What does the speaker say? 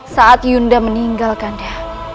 saat yunda meninggalkan dia